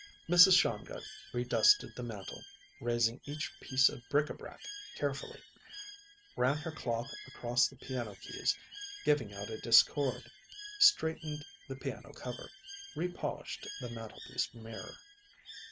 Mrs. Shongut redusted the mantel, raising each piece of bric a brac carefully; ran her cloth across the piano keys, giving out a discord; straightened the piano cover; repolished the mantelpiece mirror.